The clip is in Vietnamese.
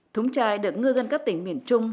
thúng chai được ngư dân các tỉnh miền trung